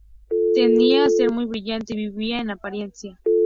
Tendía a ser muy brillante y vívida en apariencia.